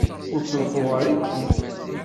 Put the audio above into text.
Ur truḥuɣ ara akkit.